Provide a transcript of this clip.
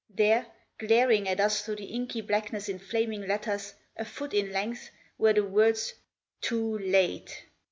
There, glaring at us through the inky blackness in flaming letters, a foot in length, were the words "TOO LATE!"